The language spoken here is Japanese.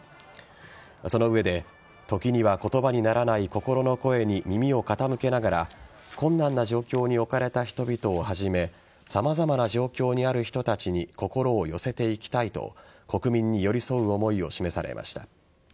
その上で時には言葉にならない心の声に耳を傾けながら困難な状況に置かれた人々をはじめ様々な状況にある人たちに心を寄せていきたいと国民に寄り添う思いを示されました。